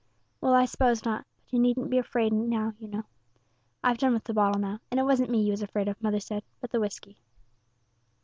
"Well, I s'pose not; but you needn't be afraid now, you know. I've done with the bottle now; and it wasn't me you was afraid of, mother said, but the whisky."